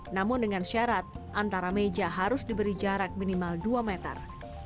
namun dengan syarat antara meja harus diberi jarak minimal dua meter